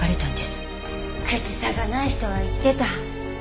口さがない人は言ってた。